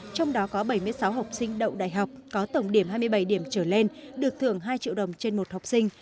trong đó có bảy mươi sáu học sinh đậu đại học có tổng điểm hai mươi bảy điểm trở lên được thưởng hai triệu đồng trên một học sinh